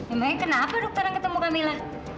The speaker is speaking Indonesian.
emangnya kenapa dokter yang ketemu kamila